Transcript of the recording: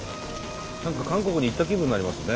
何か韓国に行った気分になりますね。